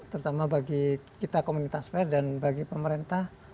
terutama bagi kita komunitas fair dan bagi pemerintah